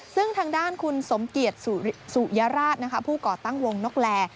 ซึ่งทางด้านคุณสมเกียจสุยราชผู้ก่อตั้งวงนกแล